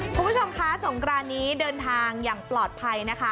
คุณผู้ชมคะสงกรานนี้เดินทางอย่างปลอดภัยนะคะ